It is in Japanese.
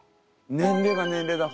年齢が年齢だから。